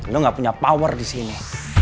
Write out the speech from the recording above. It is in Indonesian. lu gak punya power disini